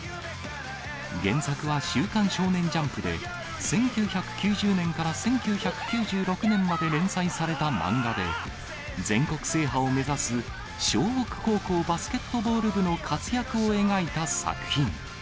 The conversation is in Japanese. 原作は週刊少年ジャンプで１９９０年から１９９６年まで連載された漫画で、全国制覇を目指す、湘北高校バスケットボール部の活躍を描いた作品。